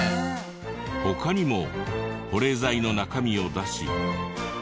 他にも保冷剤の中身を出し。